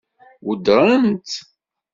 Weddṛent-t?